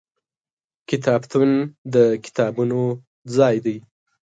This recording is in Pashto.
کتابتون د کتابونو ځای دی.